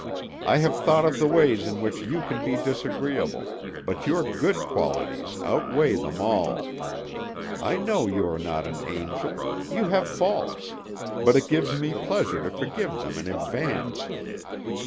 I have thought of the ways in which you can be disagreeable, but your good qualities outweigh them all. I know you are not an angel; you have faults, but it gives me pleasure to forgive them in advance.